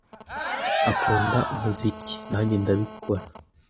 "Akunda umuziki." "Nanjye ndabikora."